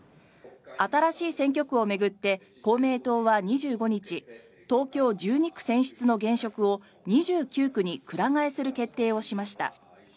新しい選挙区を巡って公明党は２５日東京１２区選出の現職を２９区にくら替えする決定をしました。